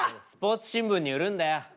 スポーツ新聞に売るんだよ。